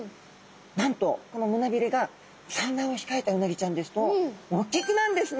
なんとこの胸びれが産卵を控えたうなぎちゃんですとおっきくなるんですね